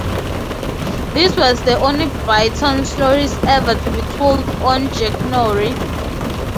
These were the only Blyton stories ever to be told on "Jackanory".